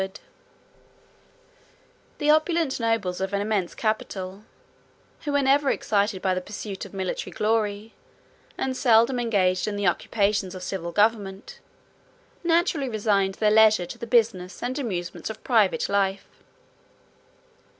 ] The opulent nobles of an immense capital, who were never excited by the pursuit of military glory, and seldom engaged in the occupations of civil government, naturally resigned their leisure to the business and amusements of private life.